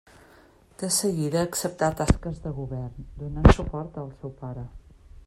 De seguida acceptà tasques de govern, donant suport al seu pare.